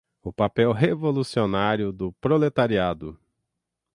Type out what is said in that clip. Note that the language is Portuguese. o papel revolucionário do proletariado